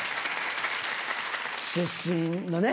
出身のね。